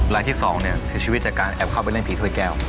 รายที่๒เสียชีวิตจากการแอบเข้าไปเล่นผีถ้วยแก้ว